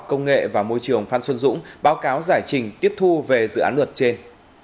công nghệ và môi trường phan xuân dũng báo cáo giải trình tiếp thu về dự án luật trên